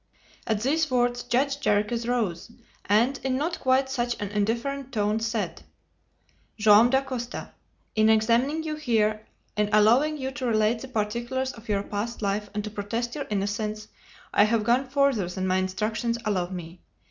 At these words Judge Jarriquez rose, and, in not quite such an indifferent tone, said, "Joam Dacosta, in examining you here, in allowing you to relate the particulars of your past life and to protest your innocence, I have gone further than my instructions allow me.